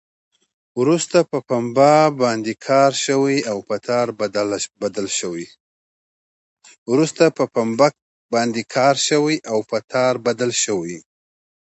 وروسته په پنبه باندې کار شوی او په تار بدل شوی.